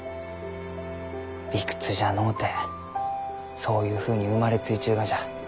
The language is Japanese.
理屈じゃのうてそういうふうに生まれついちゅうがじゃ。